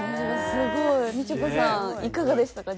すごい！みちょぱさんいかがでしたか？